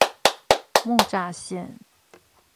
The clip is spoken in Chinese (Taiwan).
木柵線